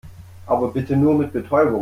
Aber bitte nur mit Betäubung.